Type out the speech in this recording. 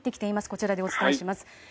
こちらでお伝えします。